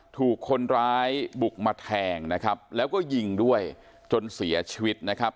ถูกคนร้ายบุกมาแทงนะครับแล้วก็ยิงด้วยจนเสียชีวิตนะครับ